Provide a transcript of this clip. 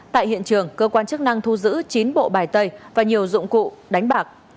tại hiện trường cơ quan chức năng thu giữ chín bộ bài tay và nhiều dụng cụ đánh bạc